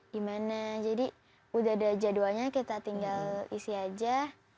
gimana jadi udah ada jadwalnya kita tinggal isi aja